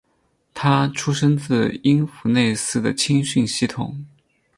他出身自因弗内斯的青训系统。